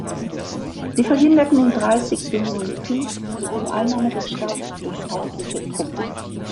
Sie verhinderten im Dreißigjährigen Krieg die Einnahme der Stadt durch feindliche Truppen.